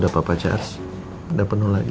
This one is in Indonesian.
bapak cez ada penuh lagi